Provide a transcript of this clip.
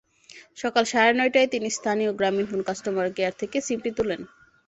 সকাল সাড়ে নয়টায় তিনি স্থানীয় গ্রামীণফোন কাস্টমার কেয়ার থেকে সিমটি তুলেন।